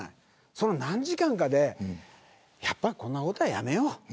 その何時間かでやっぱり、こんなことはやめよう